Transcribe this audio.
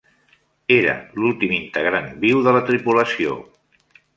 Era l'últim integrant viu de la tripulació.